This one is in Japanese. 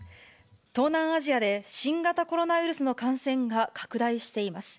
東南アジアで新型コロナウイルスの感染が拡大しています。